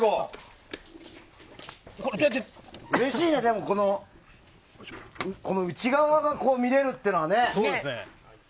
うれしいね内側が見れるっていうのはね。